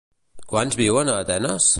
Quants vivien a Atenes?